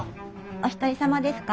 お一人様ですか？